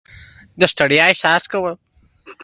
د ستړیا احساس کوم.